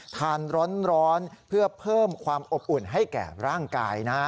ทานร้อนเพื่อเพิ่มความอบอุ่นให้แก่ร่างกายนะ